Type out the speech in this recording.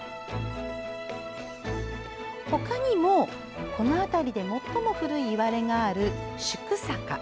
ほかにも、この辺りで最も古いいわれがある宿坂。